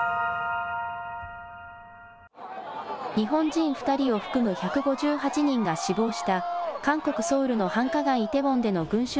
日本人２人を含む１５８人が死亡した韓国ソウルの繁華街、イテウォンでの群集